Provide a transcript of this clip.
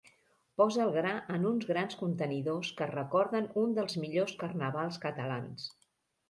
Posa el gra en uns grans contenidors que recorden un dels millors carnavals catalans.